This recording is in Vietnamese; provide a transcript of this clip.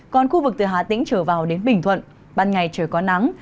còn khu vực từ hà tĩnh trở vào đến bình thuận ban ngày trời có nắng